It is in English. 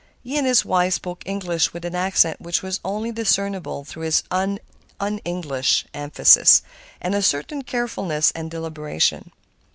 He and his wife spoke English with an accent which was only discernible through its un English emphasis and a certain carefulness and deliberation.